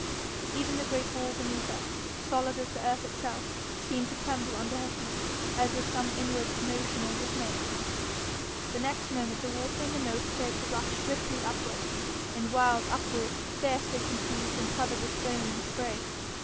But even the great wall beneath her, solid as the earth itself, seemed to tremble under her feet, as with some inward commotion or dismay. The next moment the water in the moat appeared to rush swiftly upwards, in wild uproar, fiercely confused, and covered with foam and spray.